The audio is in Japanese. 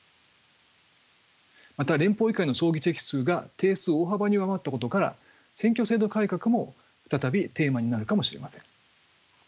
また連邦議会の総議席数が定数を大幅に上回ったことから選挙制度改革も再びテーマになるかもしれません。